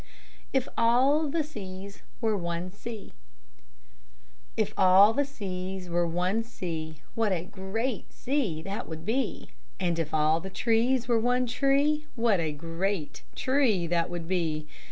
IF ALL THE SEAS WERE ONE SEA If all the seas were one sea, What a great sea that would be! And if all the trees were one tree, What a great tree that would be!